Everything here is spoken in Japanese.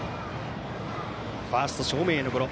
ファースト正面へのゴロ。